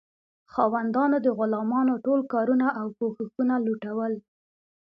خاوندانو د غلامانو ټول کارونه او کوښښونه لوټول.